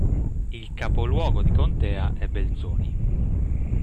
Il capoluogo di contea è Belzoni.